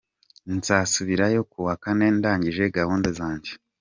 Y: Nzasubirayo kuwa Kane ndangije gahunda zanjye.